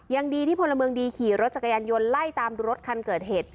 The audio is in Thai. ยังดีที่พลเมืองดีขี่รถจักรยานยนต์ไล่ตามรถคันเกิดเหตุ